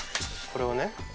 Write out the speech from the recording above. これをね